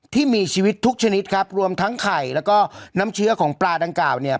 ที่มีชีวิตทุกชนิดครับรวมทั้งไข่แล้วก็น้ำเชื้อของปลาดังกล่าวเนี่ย